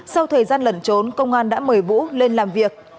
sau thời gian lẩn trốn công an đã mời vũ lên làm việc